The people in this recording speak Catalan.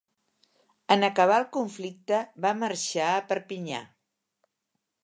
En acabar el conflicte va marxar a Perpinyà.